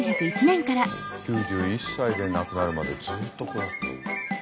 ９１歳で亡くなるまでずっとここだった。